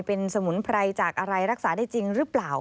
เป็นสมุนไพรจากอะไรรักษาได้จริงหรือเปล่า